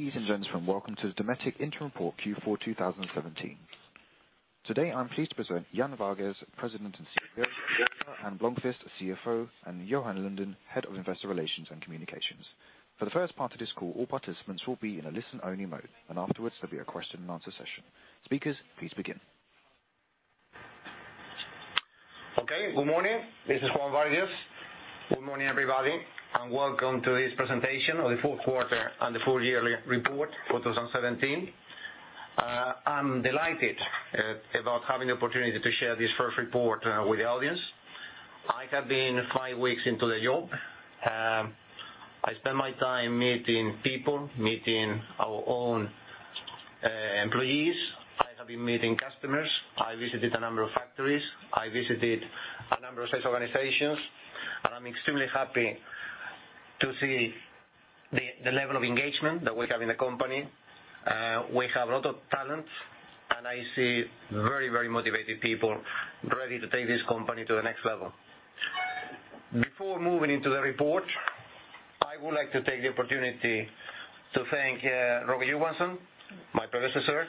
Ladies and gents, welcome to the Dometic Interim Report Q4 2017. Today, I'm pleased to present Juan Vargues, President and CEO, Per-Arne Blomquist, CFO, and Johan Lundin, Head of Investor Relations and Communications. For the first part of this call, all participants will be in a listen-only mode, and afterwards, there'll be a question-and-answer session. Speakers, please begin. Okay, good morning. This is Juan Vargues. Good morning, everybody, welcome to this presentation of the fourth quarter and the full-yearly report for 2017. I'm delighted about having the opportunity to share this first report with the audience. I have been five weeks into the job. I spent my time meeting people, meeting our own employees. I have been meeting customers. I visited a number of factories. I visited a number of sales organizations, and I'm extremely happy to see the level of engagement that we have in the company. We have a lot of talent, and I see very motivated people ready to take this company to the next level. Before moving into the report, I would like to take the opportunity to thank Roger Johansson, my predecessor,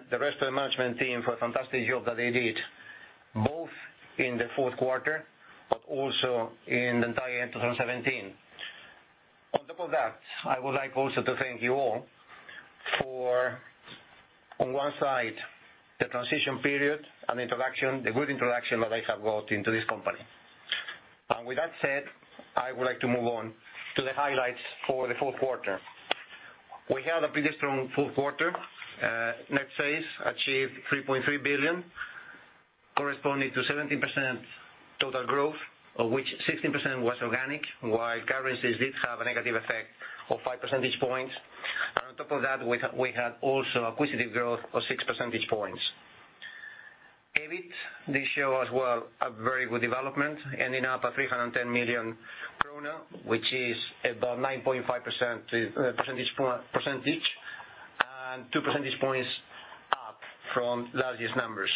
and the rest of the management team for a fantastic job that they did, both in the fourth quarter, but also in the entire 2017. On top of that, I would like also to thank you all for, on one side, the transition period and introduction, the good introduction that I have got into this company. With that said, I would like to move on to the highlights for the fourth quarter. We had a pretty strong fourth quarter. Net sales achieved 3.3 billion, corresponding to 17% total growth, of which 16% was organic, while currencies did have a negative effect of five percentage points. On top of that, we had also acquisitive growth of six percentage points. EBIT did show as well a very good development, ending up at 310 million krona, which is about 9.5% percentage, and two percentage points up from last year's numbers.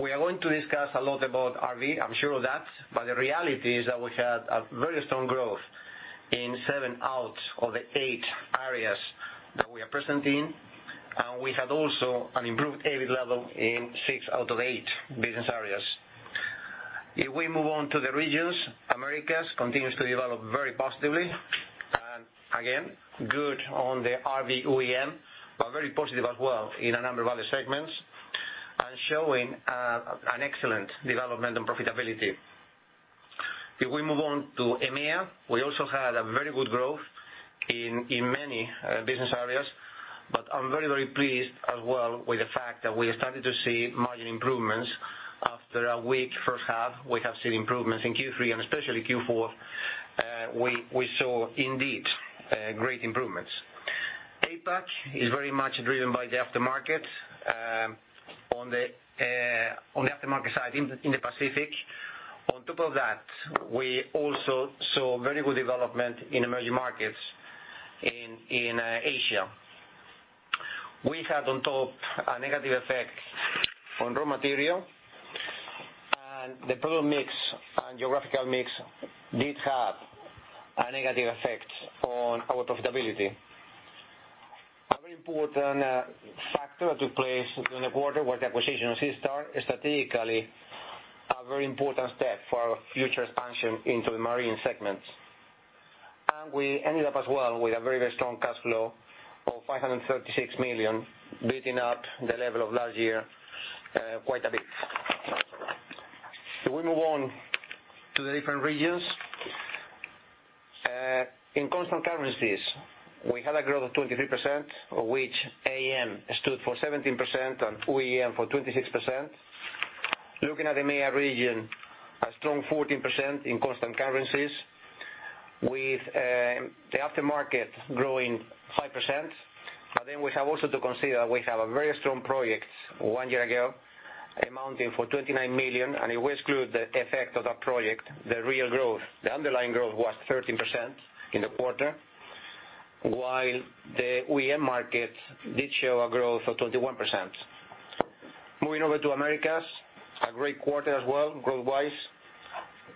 We are going to discuss a lot about RV, I'm sure of that, but the reality is that we had a very strong growth in seven out of the eight areas that we are present in, and we had also an improved EBIT level in six out of eight business areas. If we move on to the regions, Americas continues to develop very positively, and again, good on the RV OEM, but very positive as well in a number of other segments, and showing an excellent development on profitability. If we move on to EMEA, we also had a very good growth in many business areas, but I am very pleased as well with the fact that we have started to see margin improvements after a weak first half. We have seen improvements in Q3 and especially Q4, we saw indeed great improvements. APAC is very much driven by the aftermarket. On the aftermarket side in the Pacific. On top of that, we also saw very good development in emerging markets in Asia. We had on top a negative effect on raw material, and the product mix and geographical mix did have a negative effect on our profitability. A very important factor that took place during the quarter was the acquisition of SeaStar, strategically, a very important step for our future expansion into the marine segments. We ended up as well with a very strong cash flow of 536 million, beating up the level of last year quite a bit. If we move on to the different regions. In constant currencies, we had a growth of 23%, of which AM stood for 17% and OEM for 26%. Looking at the EMEA region, a strong 14% in constant currencies, with the aftermarket growing 5%. We have also to consider that we have a very strong project one year ago, amounting for 29 million, and if we exclude the effect of that project, the real growth, the underlying growth was 13% in the quarter, while the OEM market did show a growth of 21%. Moving over to Americas, a great quarter as well, growth-wise.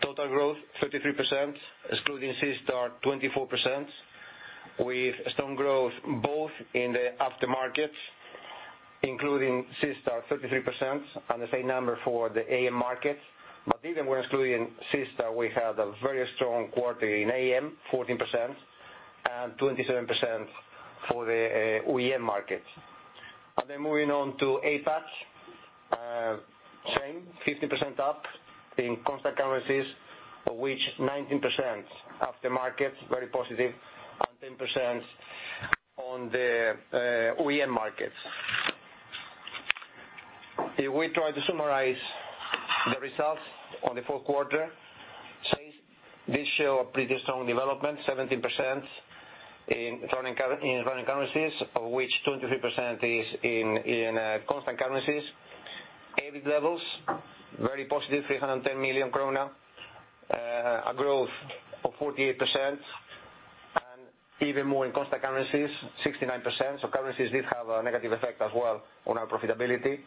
Total growth 33%, excluding SeaStar, 24%, with strong growth both in the aftermarket, including SeaStar, 33%, and the same number for the AM market. Even when excluding SeaStar, we had a very strong quarter in AM, 14%, and 27% for the OEM market. Moving on to APAC. Same, 15% up in constant currencies, of which 19% aftermarket, very positive, and 10% on the OEM markets. If we try to summarize the results on the fourth quarter. Sales did show a pretty strong development, 17% in running currencies, of which 23% is in constant currencies. EBIT levels, very positive, 310 million krona. A growth of 48% and even more in constant currencies, 69%. Currencies did have a negative effect as well on our profitability.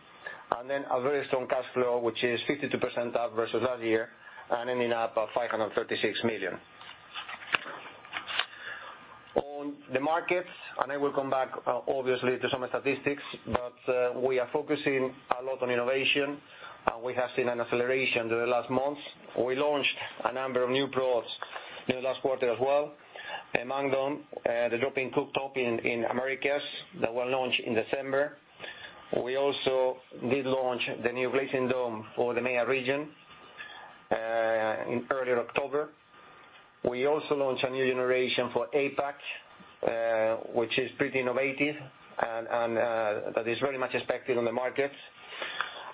A very strong cash flow, which is 52% up versus last year, and ending up at 536 million. On the markets, and I will come back obviously to some statistics, but we are focusing a lot on innovation. We have seen an acceleration during the last months. We launched a number of new products in the last quarter as well. Among them, the drop-in cooktop in Americas that were launched in December. We also did launch the new Glazing Dome for the EMEA region in early October. We also launched a new generation for APAC, which is pretty innovative and that is very much expected on the markets.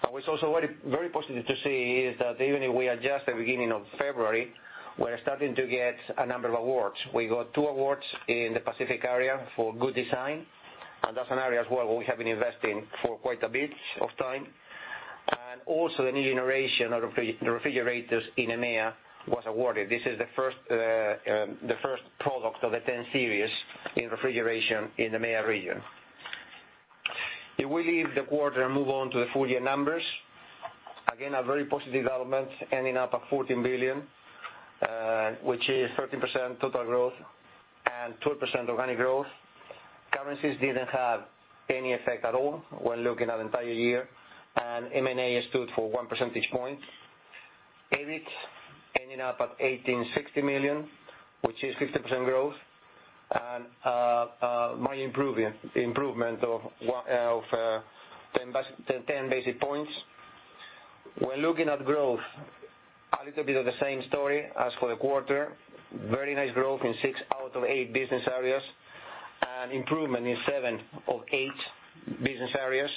What is also very positive to see is that even if we are just the beginning of February, we are starting to get a number of awards. We got two awards in the Pacific area for good design, and that is an area as well where we have been investing for quite a bit of time. Also, the new generation of refrigerators in EMEA was awarded. This is the first product of the 10 series in refrigeration in the EMEA region. If we leave the quarter and move on to the full year numbers, again, a very positive development, ending up at 14 billion, which is 13% total growth and 12% organic growth. Currencies didn't have any effect at all when looking at entire year, M&A stood for one percentage point. EBIT ending up at 1,860 million, which is 15% growth and margin improvement of 10 basis points. When looking at growth, a little bit of the same story as for the quarter, very nice growth in six out of eight business areas, and improvement in seven of eight business areas.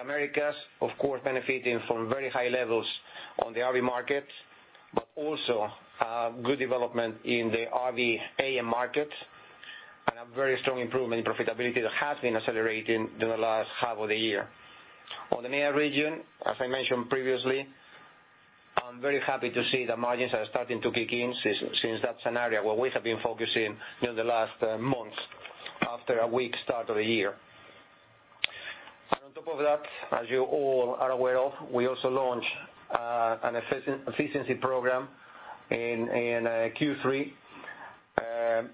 Americas, of course, benefiting from very high levels on the RV market, but also a good development in the RV AM market, and a very strong improvement in profitability that has been accelerating during the last half of the year. On the EMEA region, as I mentioned previously, I'm very happy to see the margins are starting to kick in since that's an area where we have been focusing during the last months after a weak start of the year. On top of that, as you all are aware of, we also launched an efficiency program in Q3, and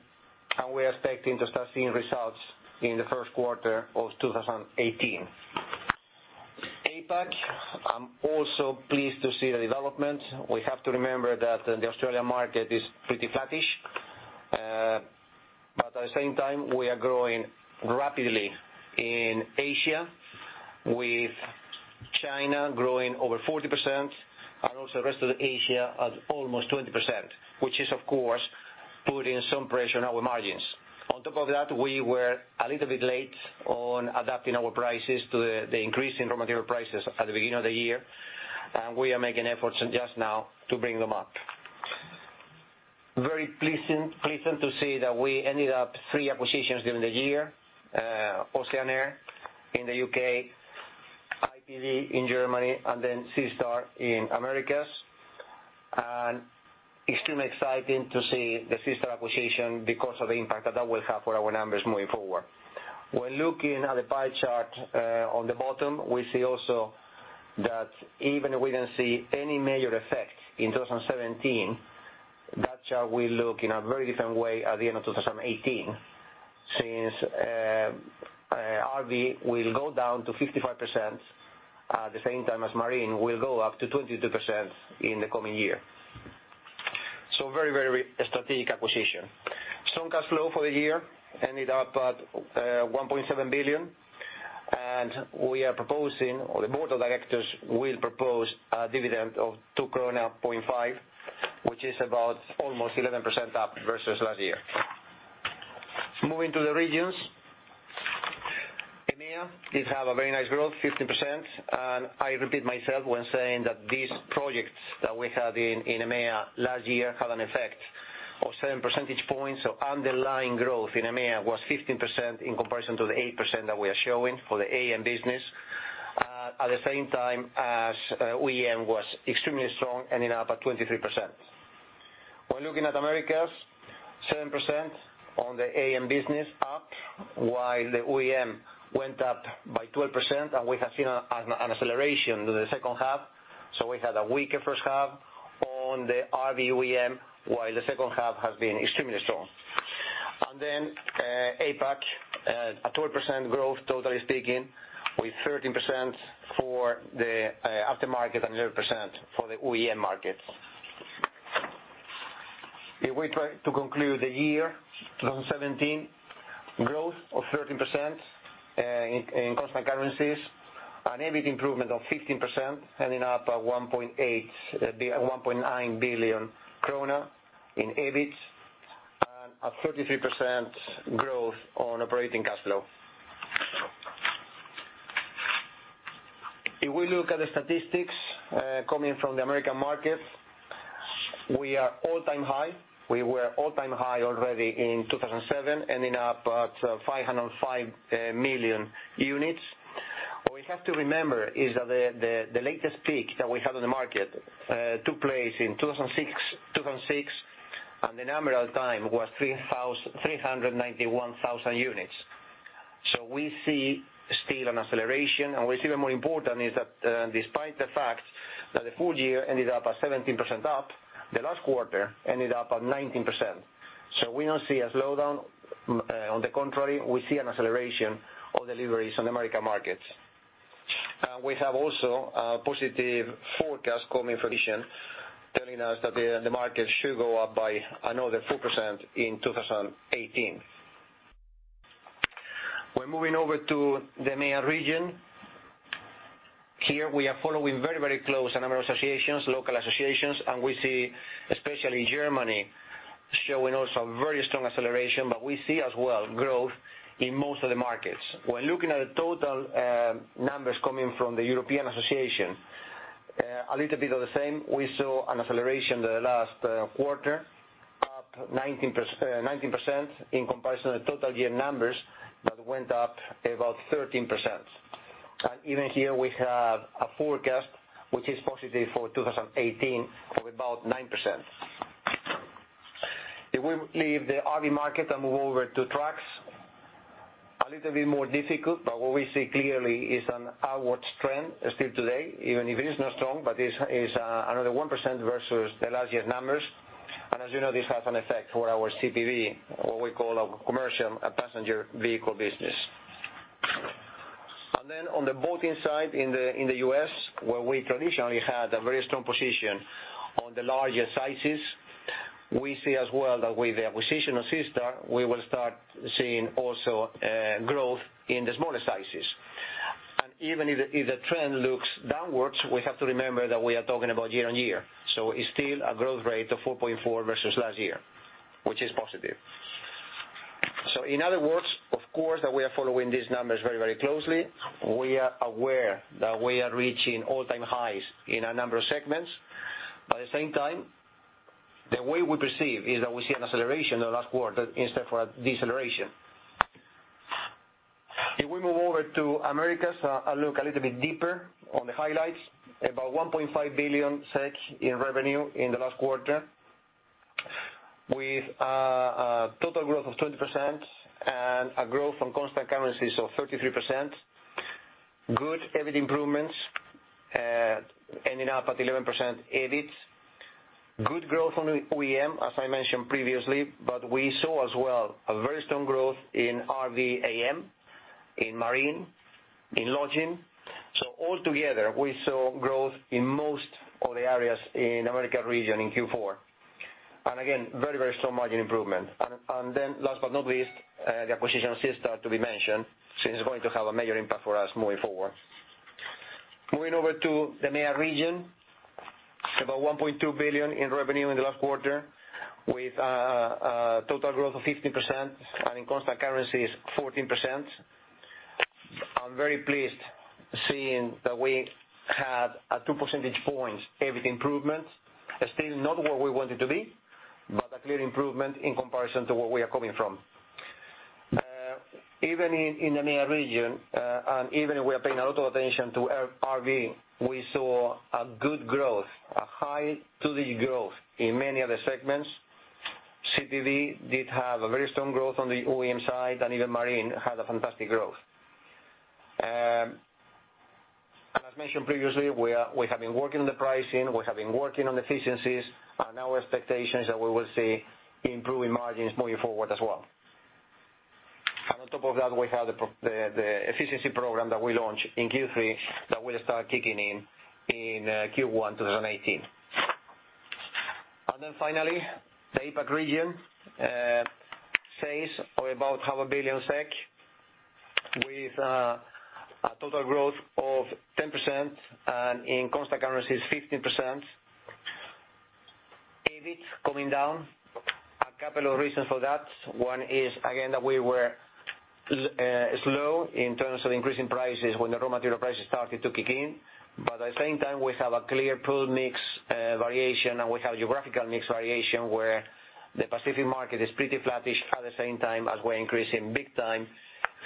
we are expecting to start seeing results in the first quarter of 2018. APAC, I'm also pleased to see the development. We have to remember that the Australian market is pretty flattish. At the same time, we are growing rapidly in Asia, with China growing over 40% and also the rest of Asia at almost 20%, which is, of course, putting some pressure on our margins. On top of that, we were a little bit late on adapting our prices to the increase in raw material prices at the beginning of the year, and we are making efforts just now to bring them up. Very pleasant to see that we ended up three acquisitions during the year, Oceanair in the U.K., IPV in Germany, and then SeaStar in Americas. Extremely exciting to see the SeaStar acquisition because of the impact that that will have for our numbers moving forward. When looking at the pie chart on the bottom, we see also that even if we didn't see any major effect in 2017, that chart will look in a very different way at the end of 2018, since RV will go down to 55%, at the same time as Marine will go up to 22% in the coming year. Very strategic acquisition. Strong cash flow for the year, ended up at 1.7 billion. We are proposing, or the Board of Directors will propose a dividend of 2.05 krona, which is about almost 11% up versus last year. Moving to the regions. EMEA did have a very nice growth, 15%, and I repeat myself when saying that these projects that we had in EMEA last year had an effect of seven percentage points. Underlying growth in EMEA was 15% in comparison to the 8% that we are showing for the AM business. At the same time as OEM was extremely strong, ending up at 23%. Looking at Americas, 7% on the AM business up, while the OEM went up by 12%, and we have seen an acceleration during the second half. We had a weaker first half on the RV OEM, while the second half has been extremely strong. APAC, a 12% growth totally speaking, with 13% for the aftermarket and 11% for the OEM market. If we try to conclude the year 2017, growth of 13% in constant currencies, an EBIT improvement of 15%, ending up at 1.9 billion kronor in EBIT, and a 33% growth on operating cash flow. If we look at the statistics coming from the American market, we are all-time high. We were all-time high already in 2007, ending up at 505,000 units. What we have to remember is that the latest peak that we had on the market took place in 2006. The number at the time was 391,000 units. We see still an acceleration, and what is even more important is that despite the fact that the full year ended up at 17% up, the last quarter ended up at 19%. We don't see a slowdown. On the contrary, we see an acceleration of deliveries on the American markets. We have also a positive forecast coming from [vision], telling us that the market should go up by another 4% in 2018. We are moving over to the EMEA region. Here, we are following very close a number of associations, local associations, and we see especially Germany showing also very strong acceleration. We see as well growth in most of the markets. We are looking at the total numbers coming from the European Caravan Federation. A little bit of the same, we saw an acceleration in the last quarter, up 19% in comparison to total year numbers that went up about 13%. Even here we have a forecast, which is positive for 2018 of about 9%. If we leave the RV market and move over to trucks, a little bit more difficult, but what we see clearly is an upwards trend still today, even if it is not strong, but it is another 1% versus the last year's numbers. As you know, this has an effect for our CPV, what we call our Commercial & Passenger Vehicles business. On the boating side in the U.S., where we traditionally had a very strong position on the larger sizes, we see as well that with the acquisition of SeaStar, we will start seeing also growth in the smaller sizes. Even if the trend looks downwards, we have to remember that we are talking about year-over-year. It is still a growth rate of 4.4% versus last year, which is positive. In other words, of course, that we are following these numbers very closely. We are aware that we are reaching all-time highs in a number of segments. At the same time, the way we perceive is that we see an acceleration in the last quarter instead of a deceleration. If we move over to Americas, I look a little bit deeper on the highlights. About 1.5 billion SEK in revenue in the last quarter, with a total growth of 20% and a growth on constant currencies of 33%. Good EBIT improvements, ending up at 11% EBIT. Good growth on OEM, as I mentioned previously, but we saw as well a very strong growth in RV AM, in marine, in lodging. Altogether, we saw growth in most of the areas in America region in Q4. Again, very strong margin improvement. Last but not least, the acquisition of SeaStar to be mentioned, since it's going to have a major impact for us moving forward. Moving over to the EMEA region, about 1.2 billion in revenue in the last quarter, with a total growth of 15% and in constant currencies, 14%. I am very pleased seeing that we had a two percentage points EBIT improvement. Still not where we wanted to be, but a clear improvement in comparison to where we are coming from. Even in the EMEA region, even we are paying a lot of attention to RV, we saw a good growth, a high two-digit growth in many other segments. CPV did have a very strong growth on the OEM side, even marine had a fantastic growth. As mentioned previously, we have been working on the pricing, we have been working on efficiencies. Our expectation is that we will see improving margins moving forward as well. On top of that, we have the efficiency program that we launched in Q3 that will start kicking in in Q1 2018. Finally, the APAC region. Sales are about half a billion SEK, with a total growth of 10%, and in constant currency is 15%. EBIT coming down. A couple of reasons for that. One is, again, that we were slow in terms of increasing prices when the raw material prices started to kick in. At the same time, we have a clear pool mix variation, and we have geographical mix variation where the Pacific market is pretty flattish at the same time as we're increasing big time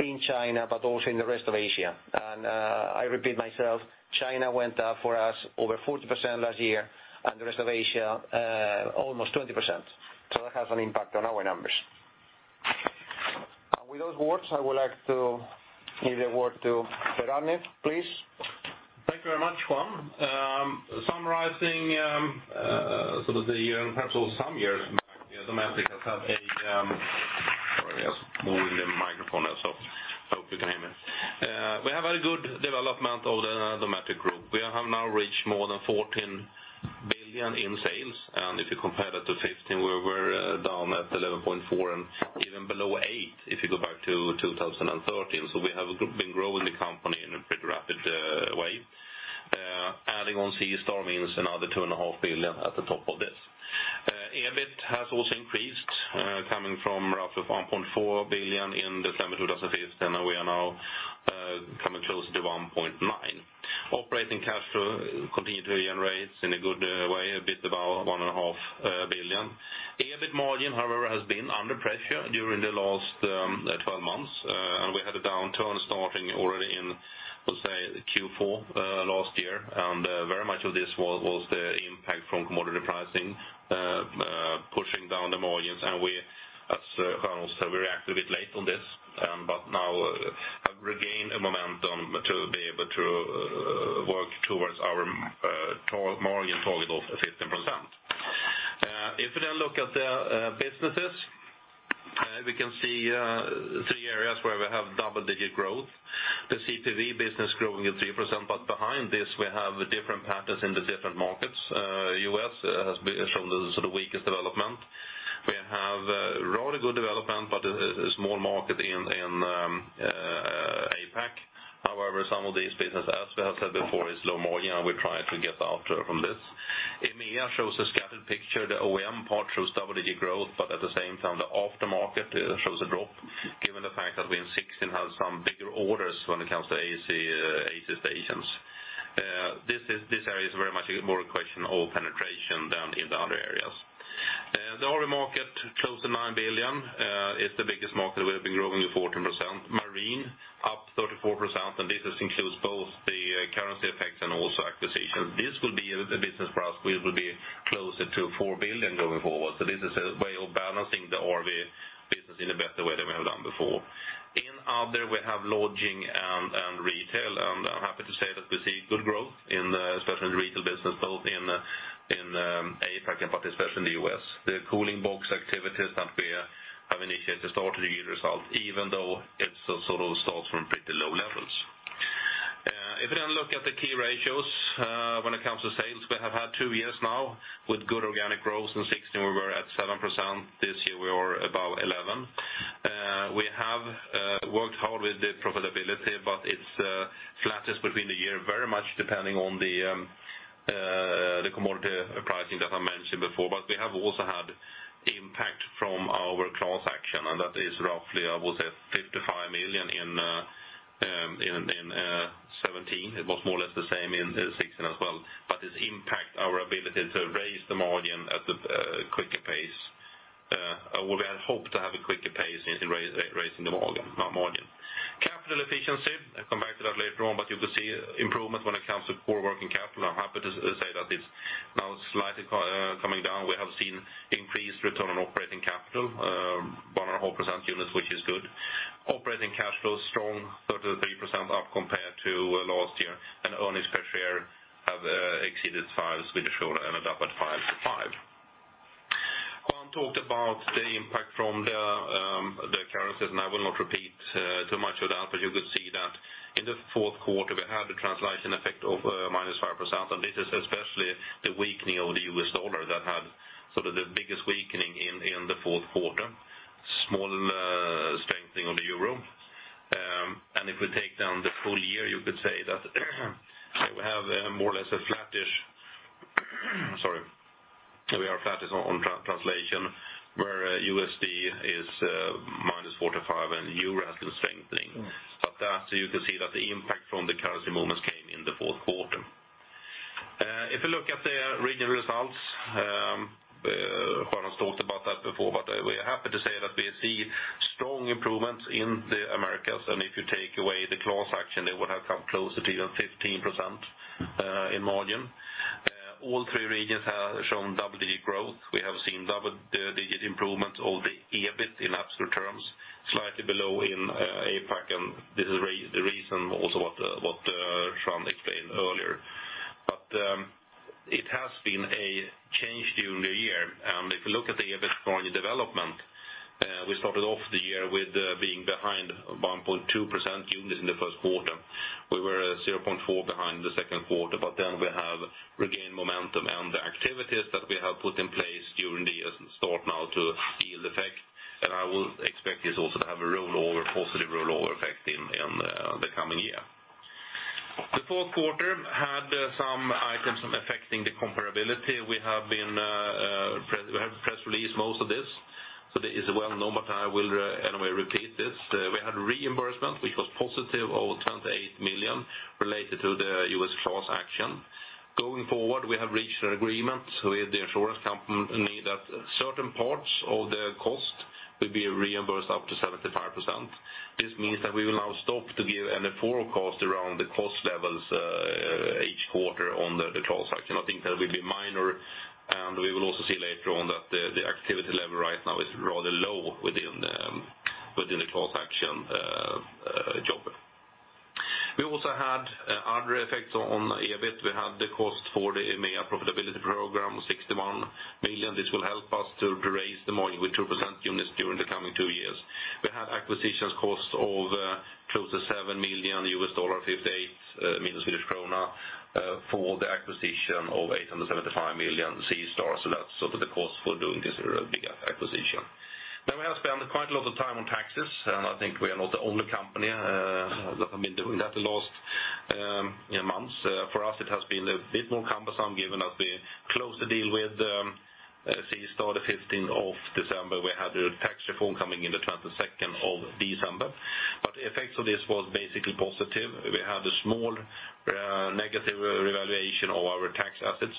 in China, but also in the rest of Asia. I repeat myself, China went up for us over 40% last year, and the rest of Asia, almost 20%. That has an impact on our numbers. With those words, I would like to give the word to Per-Arne, please. Thank you very much, Juan. Summarizing sort of the year and perhaps some years back, Dometic Group has had a good development. We have now reached more than 14 billion in sales. If you compare that to 2015, we were down at 11.4 billion and even below 8 billion if you go back to 2013. We have been growing the company in a pretty rapid way. Adding on SeaStar means another two and a half billion SEK at the top of this. EBIT has also increased, coming from roughly 1.4 billion in December 2015. We are now coming close to 1.9 billion. Operating cash flow continued to generate in a good way, a bit about one and a half billion SEK. EBIT margin, however, has been under pressure during the last 12. Already in, let's say, Q4 last year, and very much of this was the impact from commodity pricing pushing down the margins, and we, as Johan said, we reacted a bit late on this. Now have regained a momentum to be able to work towards our margin target of 15%. If we then look at the businesses, we can see 3 areas where we have double-digit growth. The CPV business growing at 3%, but behind this, we have different patterns in the different markets. U.S. has shown the weakest development. We have rather good development, but a small market in APAC. Some of these business, as we have said before, is low margin. We try to get out from this. EMEA shows a scattered picture. The OEM part shows double-digit growth, but at the same time, the aftermarket shows a drop, given the fact that we in 2016 have some bigger orders when it comes to AC stations. This area is very much more a question of penetration than in the other areas. The RV market, close to 9 billion, is the biggest market. We have been growing at 14%. Marine, up 34%, and this includes both the currency effects and also acquisition. This will be a business for us, which will be closer to 4 billion going forward. This is a way of balancing the RV business in a better way than we have done before. In other, we have lodging and retail, and I'm happy to say that we see good growth, especially in retail business, both in APAC, but especially in the U.S. The cooling box activities that we have initiated start to yield results, even though it sort of starts from pretty low levels. If we then look at the key ratios when it comes to sales, we have had 2 years now with good organic growth. In 2016, we were at 7%. This year, we are about 11%. We have worked hard with the profitability, but it's flattish between the year, very much depending on the commodity pricing that I mentioned before. We have also had impact from our class action, and that is roughly, I would say, 55 million in 2017. It was more or less the same in 2016 as well. It impact our ability to raise the margin at a quicker pace. We had hoped to have a quicker pace in raising the margin. Capital efficiency, I'll come back to that later on, but you could see improvement when it comes to core working capital. I'm happy to say that it's now slightly coming down. We have seen increased return on operating capital, 1.5% units, which is good. Operating cash flow is strong, 33% up compared to last year. Earnings per share have exceeded files, which showed ended up at 5.5. Juan talked about the impact from the currencies. I will not repeat too much of that, but you could see that in the fourth quarter, we had a translation effect of -5%. This is especially the weakening of the U.S. dollar that had the biggest weakening in the fourth quarter. Small strengthening of the EUR. If we take down the full year, you could say that we have more or less a flattish. We are flattish on translation, where USD is -45% and EUR has been strengthening. You can see that the impact from the currency movements came in the fourth quarter. If you look at the regional results, Johan Lundin talked about that before, we are happy to say that we see strong improvements in the Americas, and if you take away the class action, it would have come closer to even 15% in margin. All three regions have shown double-digit growth. We have seen double-digit improvements of the EBIT in absolute terms, slightly below in APAC, this is the reason also what Juan explained earlier. It has been a change during the year, and if you look at the EBIT margin development, we started off the year with being behind 1.2% units in the first quarter. We were 0.4% behind the second quarter, we have regained momentum, and the activities that we have put in place during the year start now to yield effect. I will expect this also to have a positive rollover effect in the coming year. The fourth quarter had some items affecting the comparability. We have press released most of this is well known, I will anyway repeat this. We had reimbursement, which was positive, of 28 million related to the U.S. class action. Going forward, we have reached an agreement with the insurance company that certain parts of the cost will be reimbursed up to 75%. This means that we will now stop to give an estimate around the cost levels each quarter on the class action. I think that will be minor, we will also see later on that the activity level right now is rather low within the class action job. We also had other effects on EBIT. We had the cost for the EMEA profitability program, 61 million. This will help us to raise the margin with 2% units during the coming two years. We have acquisition costs of close to $7 million, 58 million Swedish krona, for the acquisition of $875 million SeaStar, that's the cost for doing this bigger acquisition. We have spent quite a lot of time on taxes, I think we are not the only company that have been doing that the last months. For us, it has been a bit more cumbersome given that we closed the deal with SeaStar the 15th of December. Effects of this was basically positive. We had a small negative revaluation of our tax assets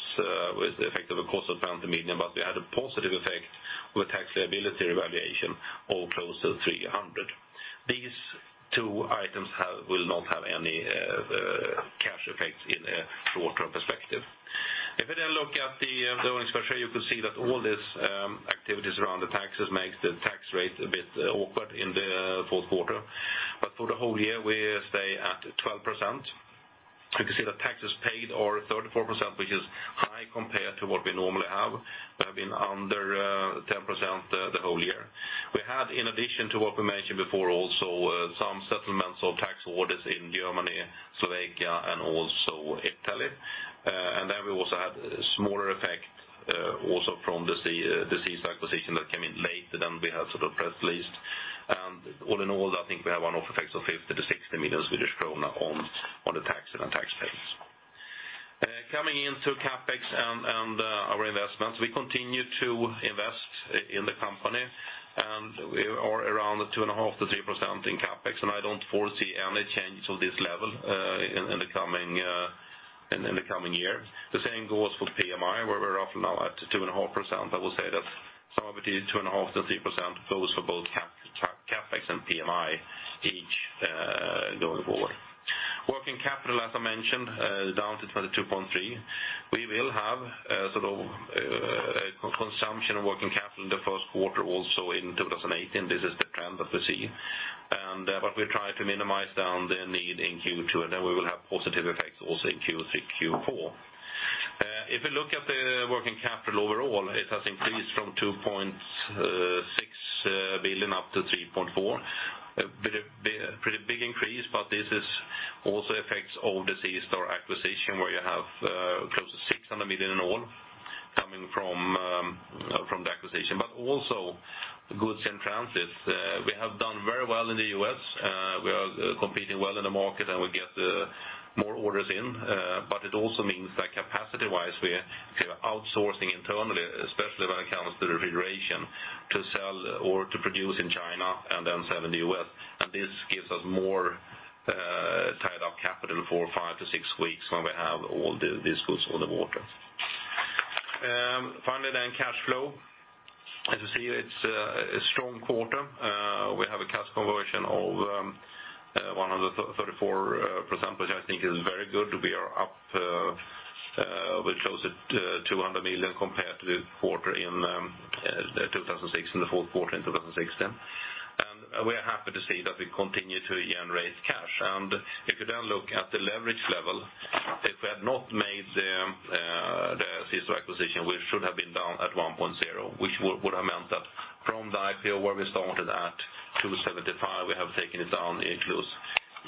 with the effect of a cost of SEK 20 million, we had a positive effect with tax liability revaluation of close to 300 million. These two items will not have any cash effect in the short-term perspective. If you then look at the earnings per share, you could see that all these activities around the taxes makes the tax rate a bit awkward in the fourth quarter. For the whole year, we stay at 12%. You can see that taxes paid are 34%, which is high compared to what we normally have. We have been under 10% the whole year. We had, in addition to what we mentioned before, also some settlements of tax orders in Germany, Slovakia, also Italy. Then we also had a smaller effect also from the SeaStar acquisition that came in later than we had sort of press released. All in all, I think we have one-off effects of 50 million-60 million Swedish krona on the tax and tax payments. Coming into CapEx and our investments, we continue to invest in the company, and we are around the 2.5%-3% in CapEx, and I don't foresee any change to this level in the coming year. The same goes for PMI, where we're often now at 2.5%. I will say that so we're at 2.5%-3% goes for both CapEx and PMI each going forward. Working capital, as I mentioned, down to 22.3%. We will have a sort of consumption of working capital in the first quarter also in 2018. This is the plan that we see. We try to minimize down the need in Q2, and then we will have positive effects also in Q3, Q4. If we look at the working capital overall, it has increased from 2.6 billion up to 3.4 billion. A pretty big increase, but this also affects all the SeaStar acquisition where you have close to 600 million in all coming from the acquisition. Also goods and transit. We have done very well in the U.S. We are competing well in the market, and we get more orders in. But it also means that capacity-wise, we are outsourcing internally, especially when it comes to refrigeration, to sell or to produce in China and then sell in the U.S. This gives us more tied-up capital for five to six weeks when we have all these goods on the water. Finally, cash flow. As you see, it's a strong quarter. We have a cash conversion of 134%, which I think is very good. We are up close to 200 million compared to the quarter in the fourth quarter in 2016. We are happy to see that we continue to generate cash. If you then look at the leverage level, if we had not made the SeaStar acquisition, we should have been down at 1.0, which would have meant that from the IPO where we started at 275, we have taken it down in close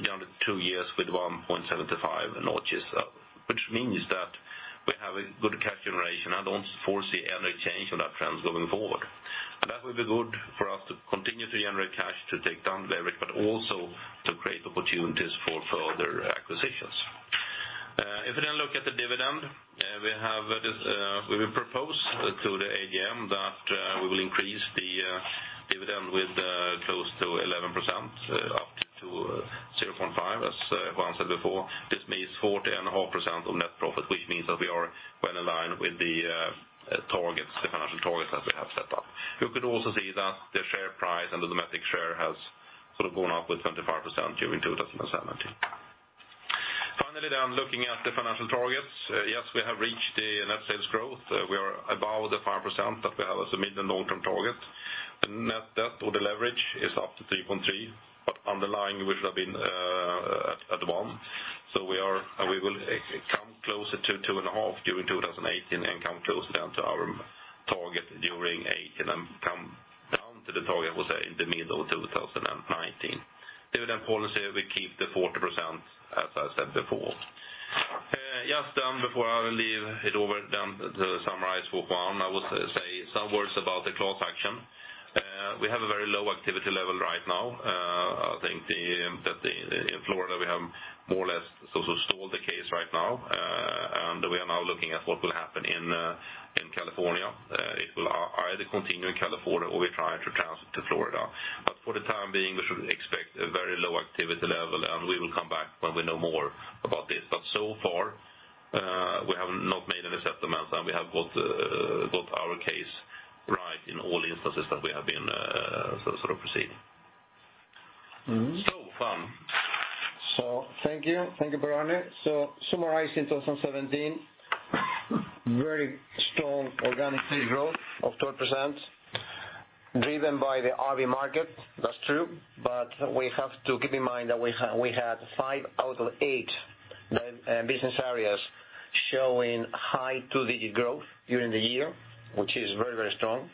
down to two years with 175, which means that we have a good cash generation. I don't foresee any change on that trend going forward. That will be good for us to continue to generate cash, to take down leverage, but also to create opportunities for further acquisitions. Then we look at the dividend, we will propose to the AGM that we will increase the dividend with close to 11%, up to 0.5, as Juan said before. This means 40.5% of net profit, which means that we are well aligned with the financial targets that we have set up. You could also see that the share price and the Dometic share has sort of gone up with 25% during 2017. Finally, looking at the financial targets. We have reached the net sales growth. We are above the 5% that we have as a medium long-term target. The net debt or the leverage is up to 3.3, but underlying, we should have been at 1.0. We will come closer to two and a half during 2018 and come closer then to our target during 2018 and come down to the target, I would say, in the middle of 2019. Dividend policy, we keep the 40%, as I said before. Just before I leave it over then to summarize for Juan, I would say some words about the class action. We have a very low activity level right now. I think that in Florida, we have more or less sort of stalled the case right now. We are now looking at what will happen in California. It will either continue in California or we try to transfer to Florida. For the time being, we should expect a very low activity level, and we will come back when we know more about this. So far, we have not made any settlements, and we have got our case right in all instances that we have been sort of proceeding. Juan. Thank you. Thank you, Per-Arne. Summarizing 2017, very strong organic sales growth of 12%, driven by the RV market. That's true, but we have to keep in mind that we had five out of eight business areas showing high two-digit growth during the year, which is very strong.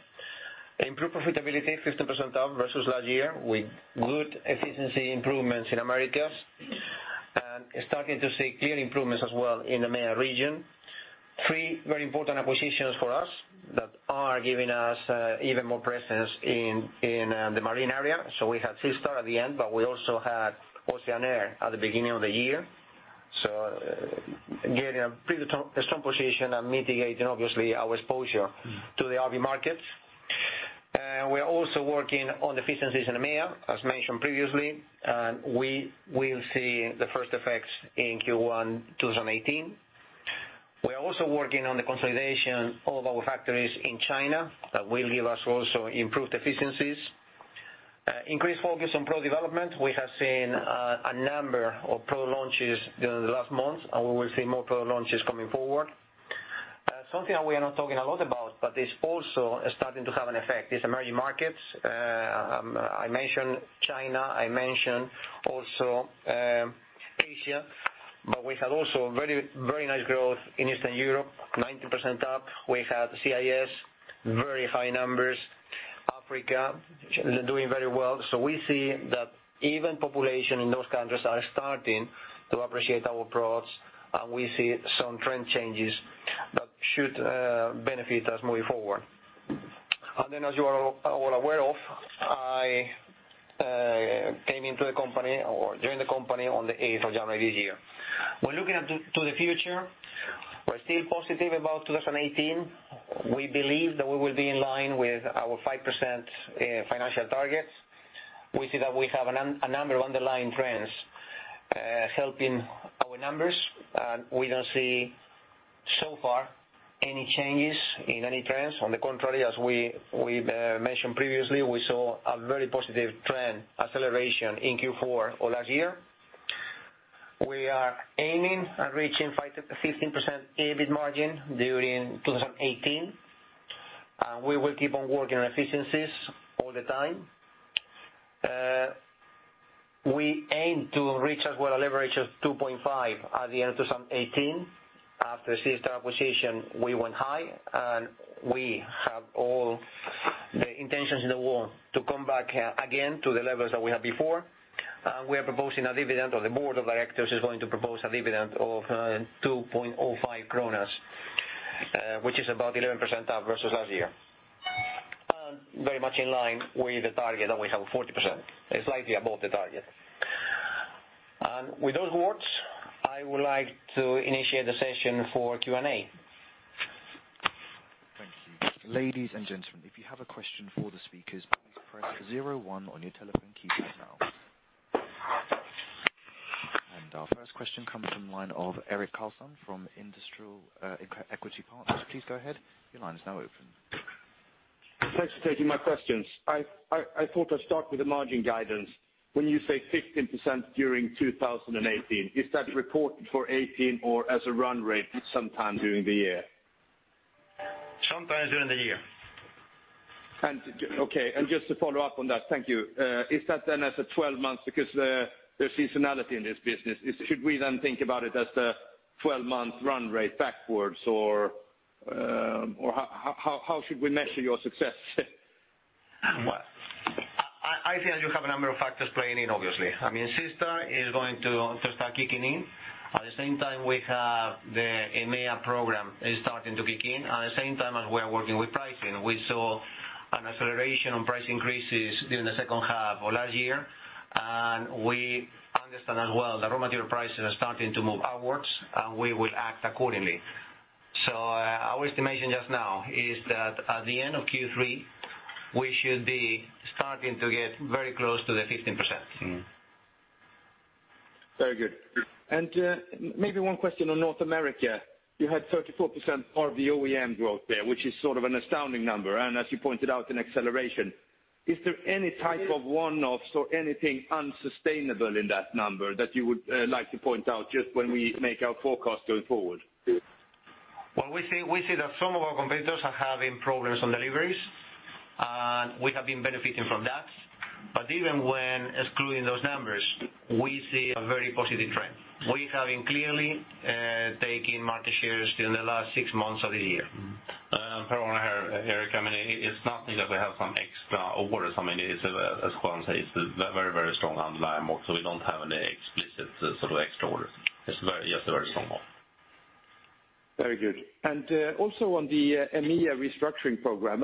Improved profitability, 15% up versus last year, with good efficiency improvements in Americas, and starting to see clear improvements as well in the EMEA region. Three very important acquisitions for us that are giving us even more presence in the marine area. We had SeaStar at the end, but we also had Oceanair at the beginning of the year. Getting a pretty strong position and mitigating, obviously, our exposure to the RV markets. We are also working on efficiencies in EMEA, as mentioned previously, and we will see the first effects in Q1 2018. We are also working on the consolidation of our factories in China. That will give us also improved efficiencies. Increased focus on product development. We have seen a number of product launches during the last month, and we will see more product launches coming forward. Something that we are not talking a lot about, but is also starting to have an effect, is emerging markets. I mentioned China, I mentioned also Asia, but we had also very nice growth in Eastern Europe, 19% up. We had CIS, very high numbers. Africa doing very well. We see that even population in those countries are starting to appreciate our products, and we see some trend changes that should benefit us moving forward. As you are all aware of, I came into the company or joined the company on January 8 this year. We're looking to the future. We're still positive about 2018. We believe that we will be in line with our 5% financial targets. We see that we have a number of underlying trends helping our numbers. We don't see so far any changes in any trends. On the contrary, as we mentioned previously, we saw a very positive trend acceleration in Q4 of last year. We are aiming at reaching 15% EBIT margin during 2018. We will keep on working on efficiencies all the time. We aim to reach as well a leverage of 2.5 at the end of 2018. After the SeaStar acquisition, we went high, we have all the intentions in the world to come back again to the levels that we had before. We are proposing a dividend, or the Board of Directors is going to propose a dividend of 2.05 kronor, which is about 11% up versus last year. Very much in line with the target that we have 40%, slightly above the target. With those words, I would like to initiate the session for Q&A. Thank you. Ladies and gentlemen, if you have a question for the speakers, please press zero one on your telephone keypad now. Our first question comes from the line of Erik Karlsson from Industrial Equity Partners. Please go ahead. Your line is now open. Thanks for taking my questions. I thought I'd start with the margin guidance. When you say 15% during 2018, is that reported for 2018 or as a run rate sometime during the year? Sometime during the year. Okay. Just to follow up on that, thank you. Is that then as a 12 months? Because there's seasonality in this business. Should we then think about it as the 12-month run rate backwards, or how should we measure your success? Well, I think you have a number of factors playing in, obviously. I mean, SeaStar is going to start kicking in. At the same time, we have the EMEA program is starting to kick in. At the same time as we are working with pricing. We saw an acceleration on price increases during the second half of last year, and we understand as well the raw material prices are starting to move upwards, and we will act accordingly. Our estimation just now is that at the end of Q3, we should be starting to get very close to the 15%. Very good. Maybe one question on North America. You had 34% RV OEM growth there, which is sort of an astounding number. As you pointed out, an acceleration. Is there any type of one-offs or anything unsustainable in that number that you would like to point out, just when we make our forecast going forward? Well, we see that some of our competitors are having problems on deliveries, we have been benefiting from that. Even when excluding those numbers, we see a very positive trend. We have been clearly taking market shares during the last six months of the year. Per, Erik, it's not that we have some extra orders. I mean, as Juan says, it's very strong underlying. Also, we don't have any explicit sort of extra orders. It's just very strong. Very good. Also on the EMEA restructuring program,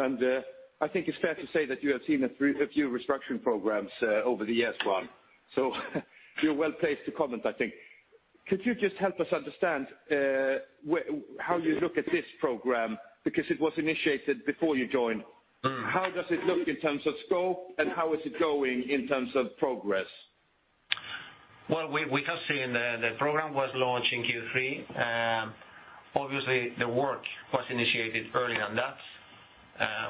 I think it's fair to say that you have seen a few restructuring programs over the years, Juan, you're well-placed to comment, I think. Could you just help us understand how you look at this program? Because it was initiated before you joined. How does it look in terms of scope, how is it going in terms of progress? Well, we have seen the program was launched in Q3. Obviously, the work was initiated earlier than that,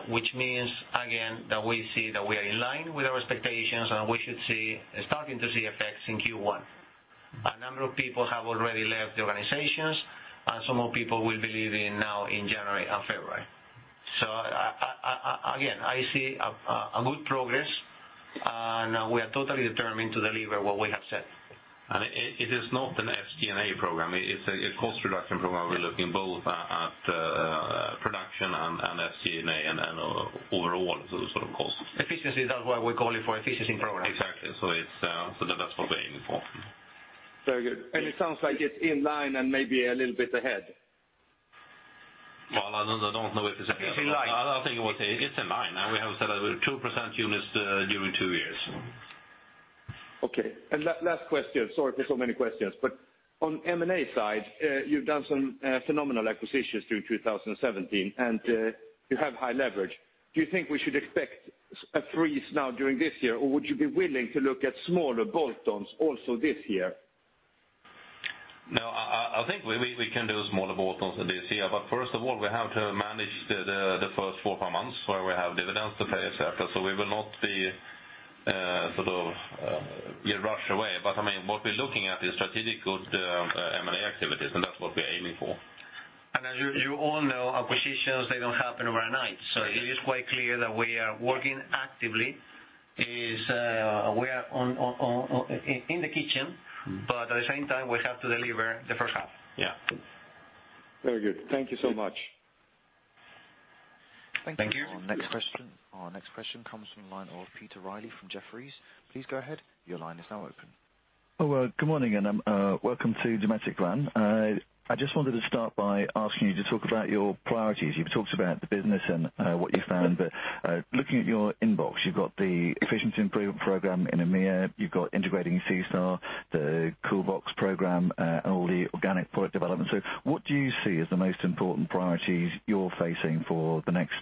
which means, again, that we see that we are in line with our expectations, we should starting to see effects in Q1. A number of people have already left the organizations, some more people will be leaving now in January and February. Again, I see a good progress, we are totally determined to deliver what we have said. It is not an FC&A program. It's a cost reduction program. We're looking both at production and FC&A and overall sort of costs. Efficiency. That's why we call it for efficiency program. Exactly. That's what we're aiming for. Very good. It sounds like it's in line and maybe a little bit ahead. Well, I don't know if it's ahead. It's in line. I think it's in line, and we have said 2% units during two years. Okay. Last question, sorry for so many questions, but on M&A side, you've done some phenomenal acquisitions through 2017, and you have high leverage. Do you think we should expect a freeze now during this year, or would you be willing to look at smaller bolt-ons also this year? No, I think we can do smaller bolt-ons this year. First of all, we have to manage the first four, five months, where we have dividends to pay, et cetera. We will not be rush away. What we're looking at is strategic good M&A activities, that's what we're aiming for. As you all know, acquisitions, they don't happen overnight. It is quite clear that we are working actively, is we are in the kitchen, at the same time, we have to deliver the first half. Yeah. Very good. Thank you so much. Thank you. Thank you. Our next question comes from the line of Peter Reilly from Jefferies. Please go ahead. Your line is now open. Good morning, and welcome to Dometic, Juan. I just wanted to start by asking you to talk about your priorities. You've talked about the business and what you found, but looking at your inbox, you've got the efficiency improvement program in EMEA, you've got integrating SeaStar, the CoolBox program, and all the organic product development. What do you see as the most important priorities you're facing for the next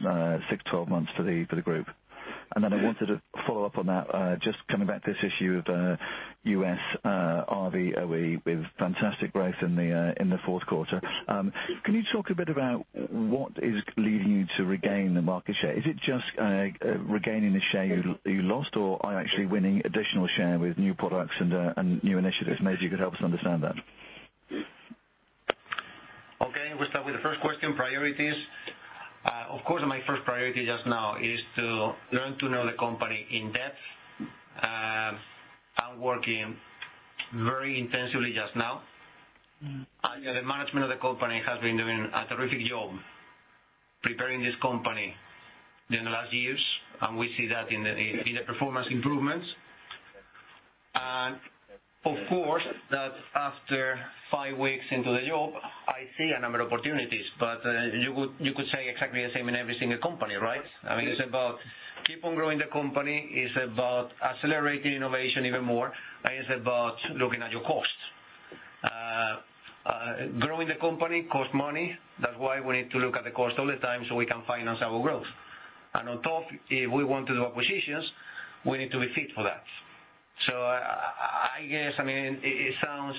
six, 12 months for the group? I wanted to follow up on that, just coming back to this issue of U.S. RV OEM with fantastic growth in the fourth quarter. Can you talk a bit about what is leading you to regain the market share? Is it just regaining the share you lost, or are you actually winning additional share with new products and new initiatives? Maybe you could help us understand that. Okay. We'll start with the first question, priorities. Of course, my first priority just now is to learn to know the company in depth. I'm working very intensively just now. The management of the company has been doing a terrific job preparing this company during the last years, we see that in the performance improvements. Of course, after five weeks into the job, I see a number of opportunities, you could say exactly the same in every single company, right? It's about keep on growing the company. It's about accelerating innovation even more. It's about looking at your costs. Growing the company costs money. That's why we need to look at the cost all the time so we can finance our growth. On top, if we want to do acquisitions, we need to be fit for that. I guess, it sounds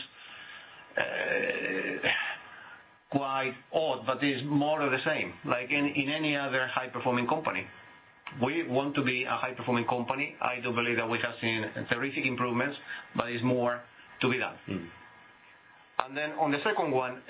quite odd, but it's more of the same, like in any other high-performing company. We want to be a high-performing company. I do believe that we have seen terrific improvements, but it's more to be done. On the second one,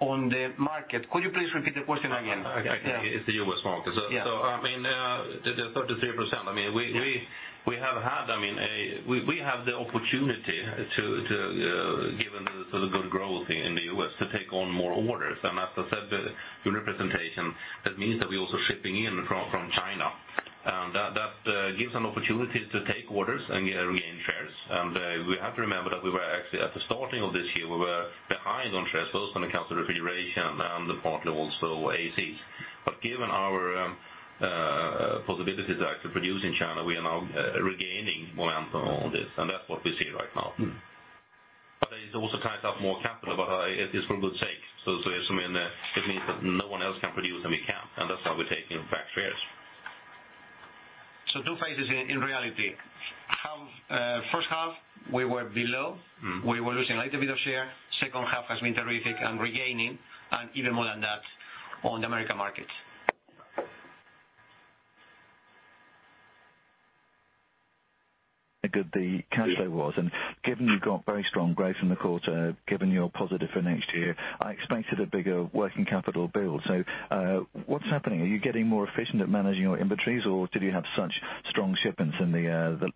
on the market, could you please repeat the question again? It's the U.S. market. Yeah. The 33%, we have the opportunity to, given the sort of good growth in the U.S., to take on more orders. As I said, the unit representation, that means that we're also shipping in from China. That gives an opportunity to take orders and regain shares. We have to remember that at the starting of this year, we were behind on shares, both when it comes to refrigeration and partly also ACs. Given our possibilities to actually produce in China, we are now regaining momentum on this, and that's what we see right now. It also ties up more capital, but it is for good sake. It means that no one else can produce and we can, and that's why we're taking back shares. Two phases in reality. First half, we were below. We were losing a little bit of share. Second half has been terrific and regaining, and even more than that on the American market. How good the cash flow was, and given you've got very strong growth in the quarter, given you're positive for next year, I expected a bigger working capital build. What's happening? Are you getting more efficient at managing your inventories, or did you have such strong shipments in the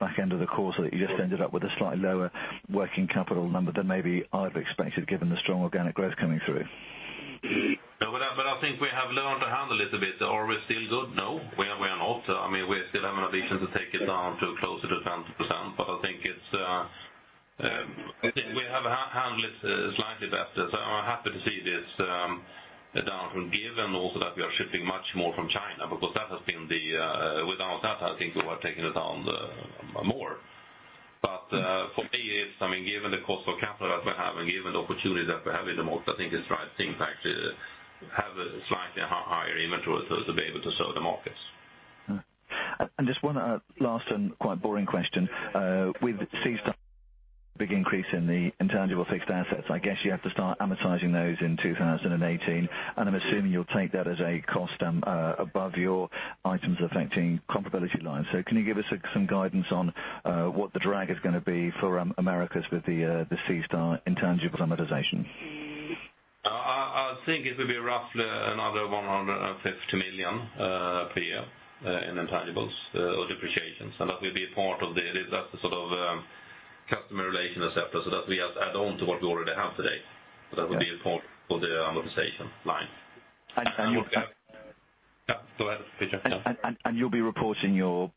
back end of the quarter that you just ended up with a slightly lower working capital number than maybe I've expected, given the strong organic growth coming through? I think we have learned to handle it a bit. Are we still good? No, we are not. We still have an ambition to take it down to closer to 10%, but I think we have handled it slightly better. I'm happy to see this down from given also that we are shipping much more from China, because without that, I think we were taking it down more. For me, given the cost of capital that we have and given the opportunity that we have in the market, I think it's right. Things actually have a slightly higher inventory to be able to serve the markets. Just one last and quite boring question. With SeaStar, big increase in the intangible fixed assets. I guess you have to start amortizing those in 2018, and I'm assuming you'll take that as a cost above your items affecting comparability lines. Can you give us some guidance on what the drag is going to be for Americas with the SeaStar intangible amortization? I think it will be roughly another 150 million per year in intangibles or depreciation. That will be a part of the customer relation et cetera. That will be add on to what we already have today. Okay. That will be a part for the amortization line. And you- Go ahead, Peter. You'll be reporting your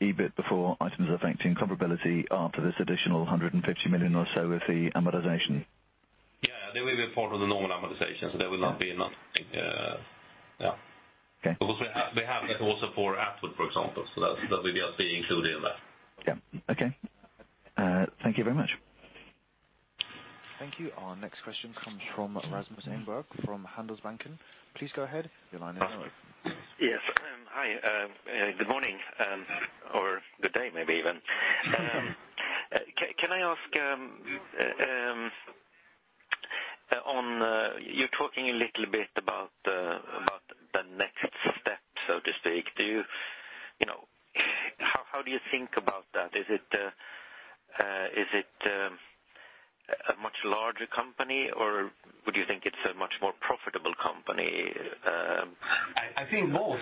EBIT before items affecting comparability after this additional 150 million or so of the amortization. Yeah, they will be a part of the normal amortization. There will not be another, yeah. Okay. We have that also for Atwood, for example. That will just be included in that. Yeah. Okay. Thank you very much. Thank you. Our next question comes from Rasmus Engberg from Handelsbanken. Please go ahead. Your line is open. Yes. Hi, good morning, or good day, maybe even. Can I ask, you're talking a little bit about the next step, so to speak. How do you think about that? Is it a much larger company, or would you think it's a much more profitable company? I think both.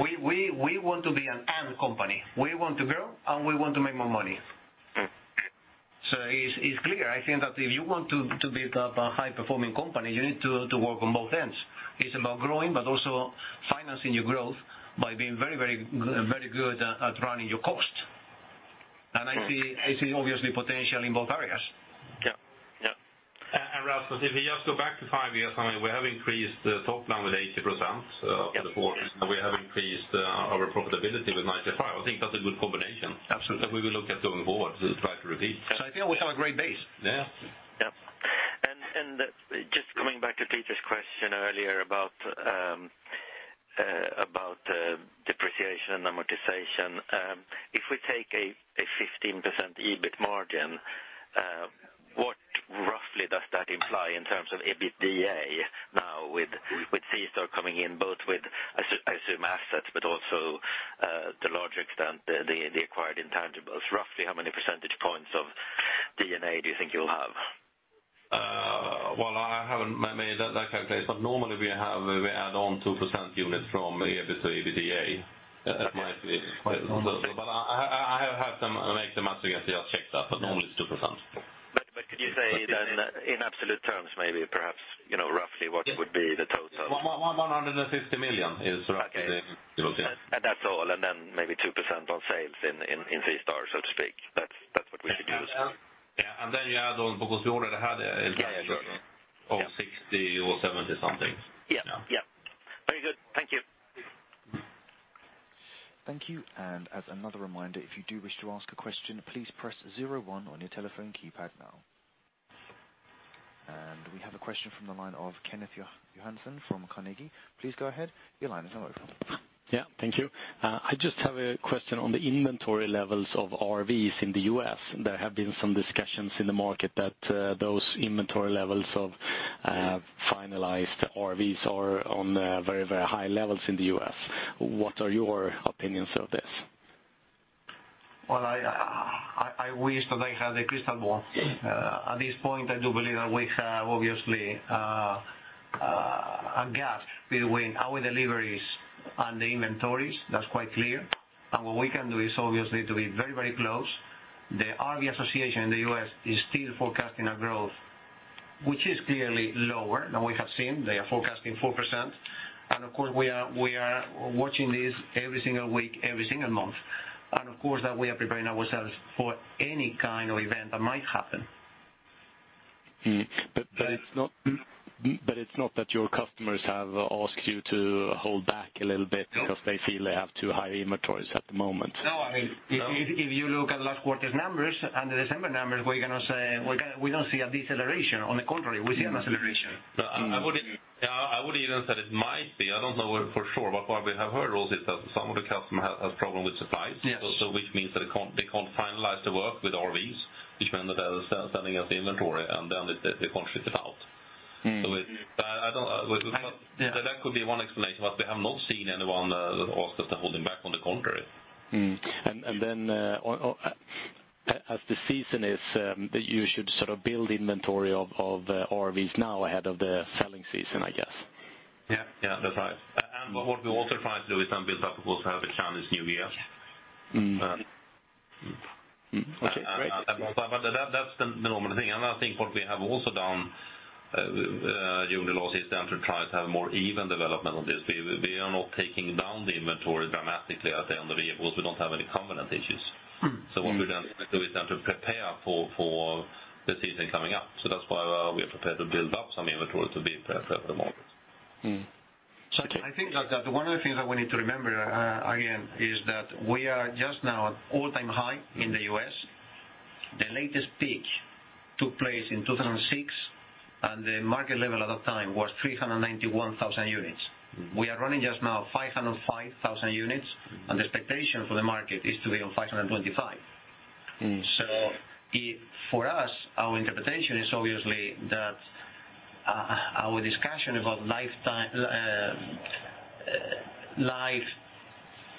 We want to be an and company. We want to grow, and we want to make more money. It's clear, I think that if you want to build up a high-performing company, you need to work on both ends. It's about growing, but also financing your growth by being very good at running your cost. I see, obviously, potential in both areas. Yeah. Rasmus, if we just go back to five years, we have increased the top line with 80% over the course. Yeah. We have increased our profitability with 95%. I think that's a good combination. Absolutely that we will look at going forward to try to repeat. I think we have a great base. Yeah. Just coming back to Peter's question earlier about depreciation and amortization, if we take a 15% EBIT margin, what roughly does that imply in terms of EBITDA now with SeaStar coming in, both with, I assume, assets, but also the larger extent, the acquired intangibles. Roughly how many percentage points of D&A do you think you'll have? I haven't made that calculation. Normally, we add on 2% units from EBIT to EBITDA. Quite a lot. I have to make the math again to just check that, only 2%. Could you say then in absolute terms, maybe, perhaps, roughly what would be the total? 150 million is roughly the. Okay revenue. That's all, maybe 2% on sales in SeaStar, so to speak. That's what we should use. Yeah. You add on, because we already had a Okay of 60 or 70 something. Yeah. Very good. Thank you. Thank you. As another reminder, if you do wish to ask a question, please press 01 on your telephone keypad now. We have a question from the line of Kenneth Johansson from Carnegie. Please go ahead. Your line is now open. Thank you. I just have a question on the inventory levels of RVs in the U.S. There have been some discussions in the market that those inventory levels of finalized RVs are on very high levels in the U.S. What are your opinions of this? I wish that I had a crystal ball. At this point, I do believe that we have, obviously, a gap between our deliveries and the inventories. That is quite clear. What we can do is obviously to be very close. The RV Association in the U.S. is still forecasting a growth, which is clearly lower than we have seen. They are forecasting 4%. Of course, we are watching this every single week, every single month. Of course, that we are preparing ourselves for any kind of event that might happen. It is not that your customers have asked you to hold back a little bit. No because they feel they have too high inventories at the moment? No. If you look at last quarter's numbers and the December numbers, we don't see a deceleration. On the contrary, we see an acceleration. Yeah. I would even say it might be, I don't know for sure, but what we have heard also is that some of the customer has problem with supplies. Yes. Which means that they can't finalize the work with RVs, which meant that they are sending us the inventory, and then they can't ship it out. That could be one explanation, we have not seen anyone that asked us to hold him back, on the contrary. As the season is, that you should sort of build inventory of RVs now ahead of the selling season, I guess. That's right. What we're also trying to do is then build up, of course, ahead of the Chinese New Year. Okay, great. That's the normal thing. I think what we have also done during the loss is to try to have more even development on this. We are not taking down the inventory dramatically at the end of the year because we don't have any covenant issues. What we then do is to prepare for the season coming up. That's why we are prepared to build up some inventory to be prepared for the moment. Okay. I think that one of the things that we need to remember, again, is that we are just now at all-time high in the U.S. The latest peak took place in 2006, the market level at that time was 391,000 units. We are running just now 505,000 units, the expectation for the market is to be on 525. For us, our interpretation is obviously that our discussion about life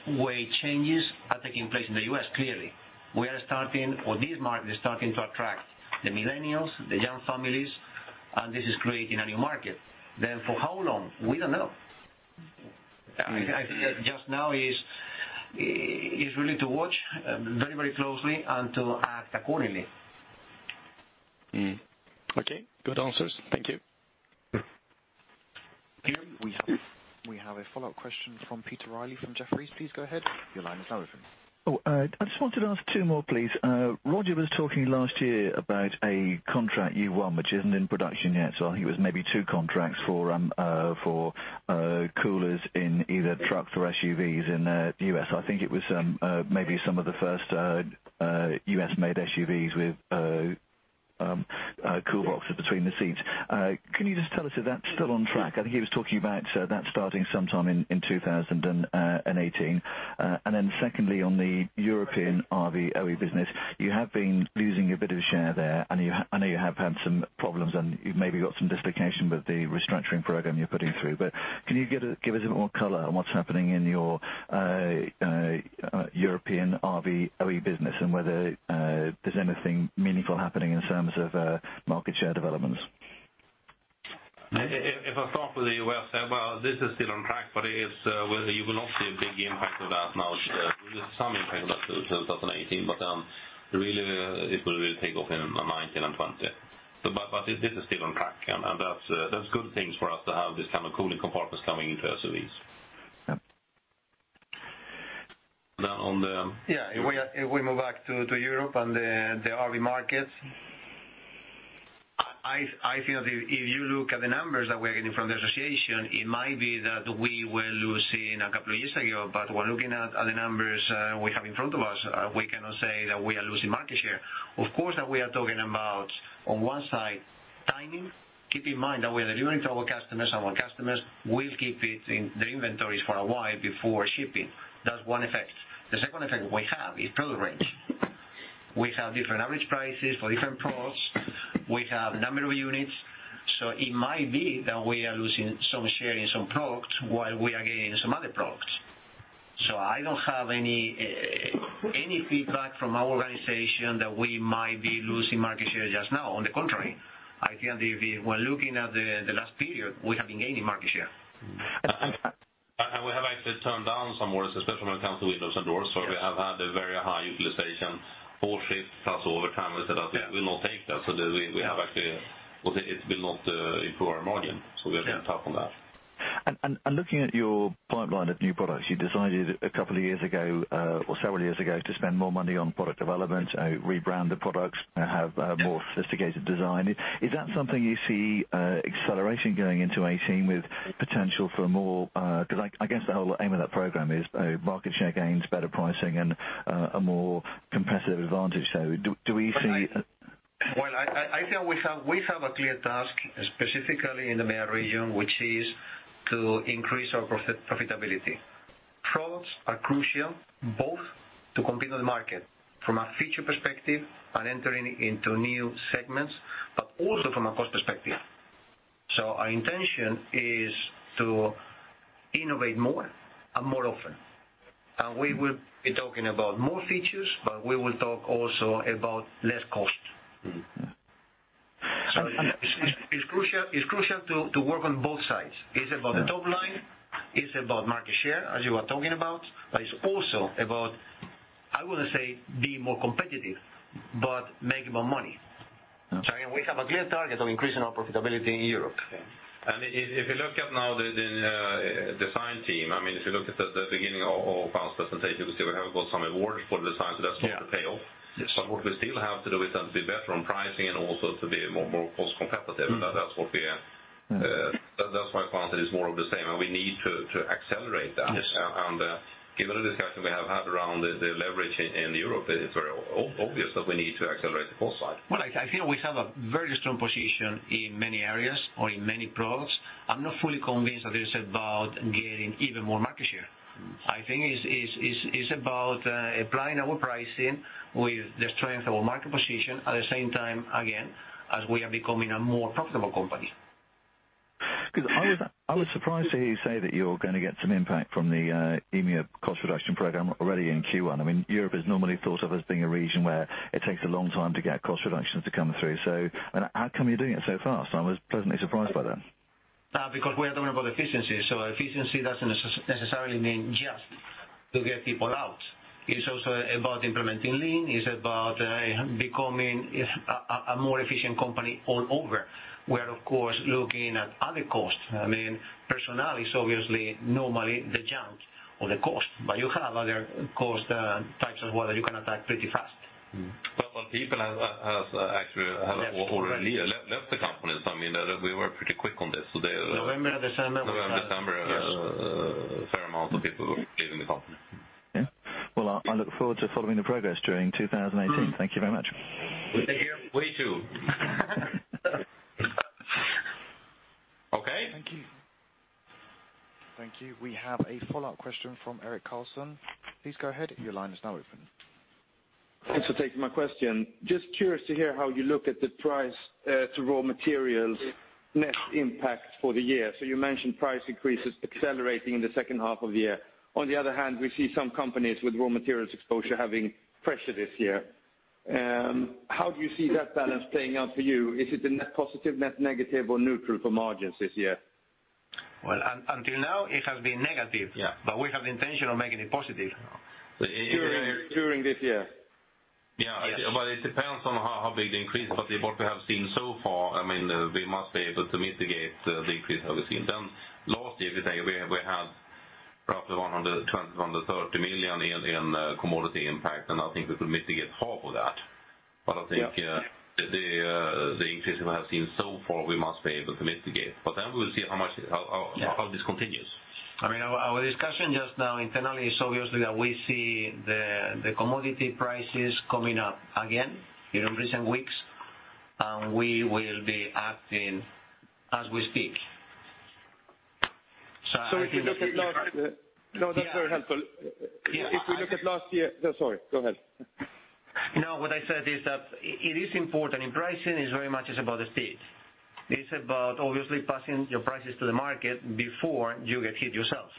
way changes are taking place in the U.S., clearly. This market is starting to attract the millennials, the young families, and this is creating a new market. For how long? We don't know. I think that just now it's really to watch very closely and to act accordingly. Okay. Good answers. Thank you. We have a follow-up question from Peter Reilly from Jefferies. Please go ahead. Your line is open. I just wanted to ask two more, please. Roger was talking last year about a contract you won, which isn't in production yet. I think it was maybe two contracts for coolers in either truck for SUVs in the U.S. I think it was maybe some of the first U.S.-made SUVs. Cool boxes between the seats. Can you just tell us if that's still on track? I think he was talking about that starting sometime in 2018. Then secondly, on the European RV OE business, you have been losing a bit of share there, and I know you have had some problems and you've maybe got some dislocation with the restructuring program you're putting through, but can you give us a bit more color on what's happening in your European RV OE business and whether there's anything meaningful happening in terms of market share developments? If I start with the U.S., this is still on track, but you will not see a big impact of that now. There's some impact of that through 2018, but really it will take off in 2019 and 2020. This is still on track, and that's good things for us to have this kind of cooling compartments coming into SUVs. Yep. Now on the- Yeah. If we move back to Europe and the RV markets, I feel if you look at the numbers that we are getting from the association, it might be that we were losing a couple of years ago, but we're looking at the numbers we have in front of us. We cannot say that we are losing market share. Of course, that we are talking about, on one side, timing. Keep in mind that we are delivering to our customers, and our customers will keep it in their inventories for a while before shipping. That's one effect. The second effect we have is product range. We have different average prices for different products. We have number of units. It might be that we are losing some share in some products while we are gaining some other products. I don't have any feedback from our organization that we might be losing market share just now. On the contrary, I think if we're looking at the last period, we have been gaining market share. We have actually turned down some orders, especially when it comes to windows and doors. We have had a very high utilization, all shift plus overtime. We said that we will not take that. We have actually. It will not improve our margin, so we have been tough on that. Looking at your pipeline of new products, you decided a couple of years ago, or several years ago, to spend more money on product development, rebrand the products, have more sophisticated design. Is that something you see accelerating going into 2018 with potential for more? Because I guess the whole aim of that program is market share gains, better pricing, and a more competitive advantage. Do we see I feel we have a clear task, specifically in the EMEA region, which is to increase our profitability. Products are crucial both to compete on the market from a feature perspective and entering into new segments, but also from a cost perspective. Our intention is to innovate more and more often, and we will be talking about more features, but we will talk also about less cost. It's crucial to work on both sides. It's about the top line, it's about market share, as you are talking about, but it's also about, I wouldn't say be more competitive, but make more money. Okay. Again, we have a clear target of increasing our profitability in Europe. If you look at now the design team, if you look at the beginning of Juan's presentation, you see we have got some awards for design, that's not the payoff. Yes. What we still have to do is then to be better on pricing and also to be more cost competitive. That's why Juan said it's more of the same, we need to accelerate that. Yes. Given the discussion we have had around the leverage in Europe, it's very obvious that we need to accelerate the cost side. Well, I feel we have a very strong position in many areas or in many products. I am not fully convinced that it is about getting even more market share. I think it is about applying our pricing with the strength of our market position, at the same time, again, as we are becoming a more profitable company. I was surprised to hear you say that you are going to get some impact from the EMEA cost reduction program already in Q1. Europe is normally thought of as being a region where it takes a long time to get cost reductions to come through. How come you are doing it so fast? I was pleasantly surprised by that. We are talking about efficiency. Efficiency doesn't necessarily mean just to get people out. It is also about implementing Lean. It is about becoming a more efficient company all over. We are, of course, looking at other costs. Personnel is obviously normally the chunk of the cost, but you have other cost types as well that you can attack pretty fast. People have actually. Left already. already left the company. We were pretty quick on this. November, December. November, December, a fair amount of people leaving the company. Yeah. Well, I look forward to following the progress during 2018. Thank you very much. We too. Okay. Thank you. Thank you. We have a follow-up question from Erik Karlsson. Please go ahead. Your line is now open. Thanks for taking my question. Just curious to hear how you look at the price to raw materials net impact for the year. You mentioned price increases accelerating in the second half of the year. On the other hand, we see some companies with raw materials exposure having pressure this year. How do you see that balance playing out for you? Is it a net positive, net negative, or neutral for margins this year? Well, until now, it has been negative. Yeah. We have intention of making it positive. During this year? Yeah. Yes. It depends on how big the increase, but what we have seen so far, we must be able to mitigate the increase that we've seen. Last year, we had roughly 120 million-130 million in commodity impact, and I think we could mitigate half of that. I think the increase we have seen so far, we must be able to mitigate. We'll see how this continues. Our discussion just now internally is obviously that we see the commodity prices coming up again in recent weeks, and we will be acting as we speak. No, that's very helpful. Yeah. If we look at last year, sorry, go ahead. No, what I said is that it is important. In pricing, it's very much about the speed. It's about obviously passing your prices to the market before you get hit yourself.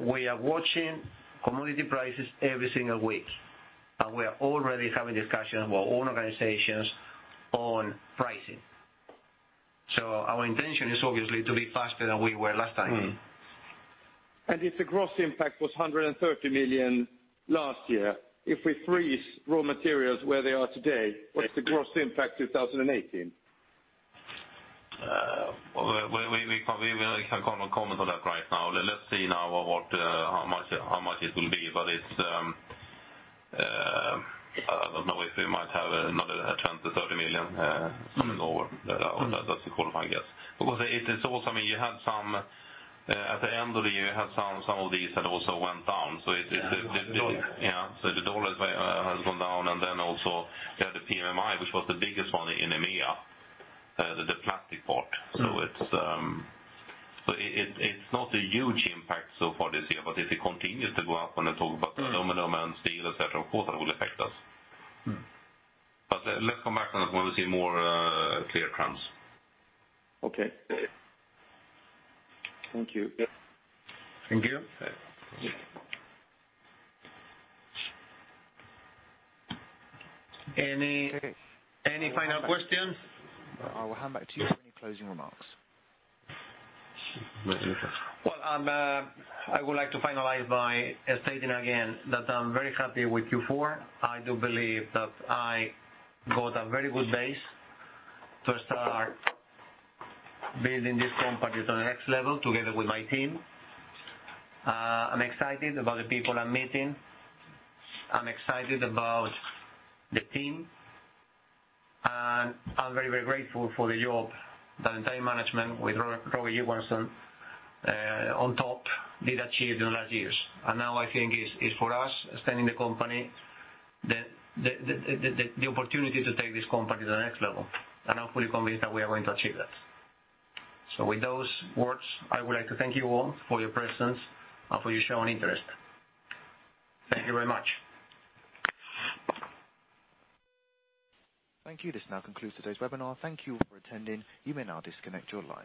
We are watching commodity prices every single week, and we are already having discussions with our own organizations on pricing. Our intention is obviously to be faster than we were last time. If the gross impact was 130 million last year, if we freeze raw materials where they are today, what is the gross impact 2018? We can't comment on that right now. Let's see now how much it will be. I don't know if we might have another 10 million-30 million, something over. That's a qualifying guess. It is also, at the end of the year, you had some of these that also went down. Yeah. The US dollar has gone down, then also you had the PMI, which was the biggest one in EMEA, the plastic part. It's not a huge impact so far this year, if it continues to go up, and I talk about aluminum and steel, et cetera, of course, that will affect us. Let's come back when we see more clear trends. Okay. Thank you. Thank you. Any final questions? I will hand back to you for any closing remarks. Well, I would like to finalize by stating again that I'm very happy with Q4. I do believe that I got a very good base to start building this company to the next level together with my team. I'm excited about the people I'm meeting. I'm excited about the team, and I'm very grateful for the job that the entire management with Roger Johansson on top did achieve in the last years. Now I think it's for us, extending the company, the opportunity to take this company to the next level. I'm fully convinced that we are going to achieve that. With those words, I would like to thank you all for your presence and for your shown interest. Thank you very much. Thank you. This now concludes today's webinar. Thank you for attending. You may now disconnect your line.